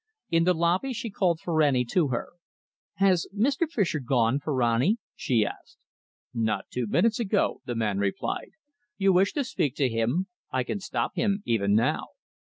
In the lobby she called Ferrani to her. "Has Mr. Fischer gone, Ferrani?" she asked. "Not two minutes ago," the man replied. "You wish to speak to him? I can stop him even now."